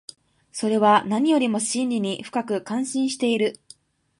それは何よりも真理に深く関心している。